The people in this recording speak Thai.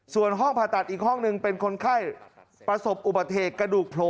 ส่วนห้องผ่าตัดอีกห้องหนึ่งเป็นคนไข้ประสบอุบัติเหตุกระดูกโผล่